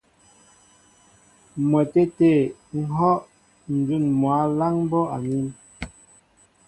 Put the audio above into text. M̀mwɛtê tê ŋ̀hɔ́ ǹjún mwǎ á láŋ bɔ́ anín.